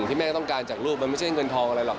ที่แม่ต้องการจากลูกมันไม่ใช่เงินทองอะไรหรอก